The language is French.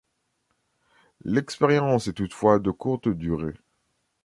L'expérience est toutefois de courte durée.